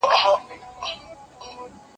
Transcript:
زه اوږده وخت د سبا لپاره د يادښتونه بشپړوم!؟